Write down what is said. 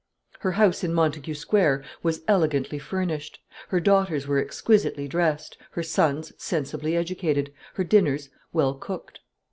Her house in Montague Square was elegantly furnished, her daughters were exquisitely dressed, her sons sensibly educated, her dinners well cooked.